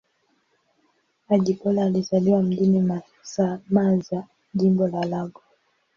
Ajibola alizaliwa mjini Mazamaza, Jimbo la Lagos.